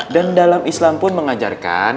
dan dalam islam pun mengajarkan